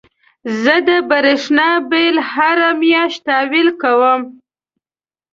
زه د برېښنا بيل هره مياشت تحويل کوم.